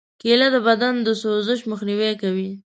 کېله د بدن د سوزش مخنیوی کوي.